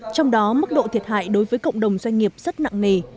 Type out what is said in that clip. trong đó mức độ thiệt hại đối với cộng đồng doanh nghiệp rất nặng nề